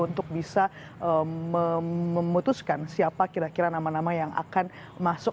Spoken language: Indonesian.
untuk bisa memutuskan siapa kira kira nama nama yang akan masuk